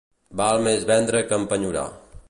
Val més vendre que empenyorar.